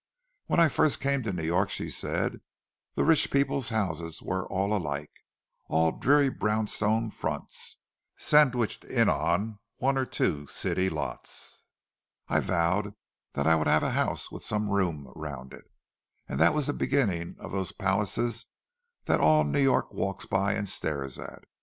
"When I first came to New York," she said, "the rich people's houses were all alike—all dreary brownstone fronts, sandwiched in on one or two city lots. I vowed that I would have a house with some room all around it—and that was the beginning of those palaces that all New York walks by and stares at.